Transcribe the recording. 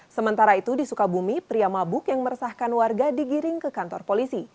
sementara itu di sukabumi pria mabuk yang meresahkan warga digiring ke kantor polisi